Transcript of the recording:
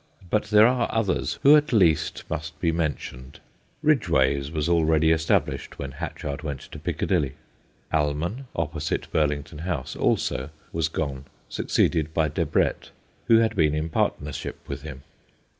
But there are others who at least must be mentioned. Bidg way's was already established when Hatchard went to Piccadilly. Almon, opposite Burlington House also, was gone, succeeded by Debrett, who had been in partnership with him.